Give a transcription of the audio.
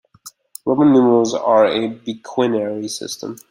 Roman numerals are a biquinary system.